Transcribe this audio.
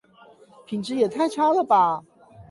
品質也太差了吧